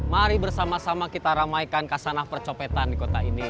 mari bersama sama kita ramaikan kasanah percopetan di kota ini